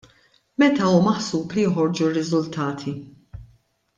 Meta hu maħsub li joħorġu r-riżultati?